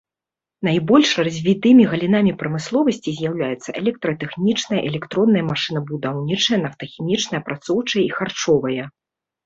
Найбольш развітымі галінамі прамысловасці з'яўляюцца электратэхнічная, электронная, машынабудаўнічая, нафтахімічная, апрацоўчае і харчовая.